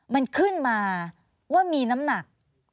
มันขึ้นมาว่ามีน้ำหนัก